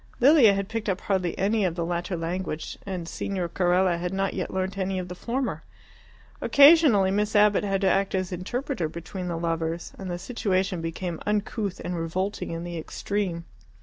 Lilia had picked up hardly any of the latter language, and Signor Carella had not yet learnt any of the former. Occasionally Miss Abbott had to act as interpreter between the lovers, and the situation became uncouth and revolting in the extreme.